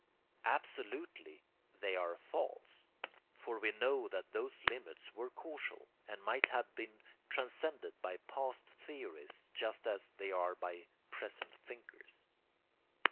'Absolutely' they are false; for we know that those limits were casual, and might have been transcended by past theorists just as they are by present thinkers.